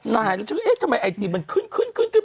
นายทำไมไอจิมมันขึ้นขึ้น